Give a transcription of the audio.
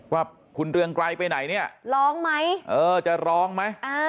ว่าคุณเรืองไกรไปไหนเนี่ยร้องไหมเออจะร้องไหม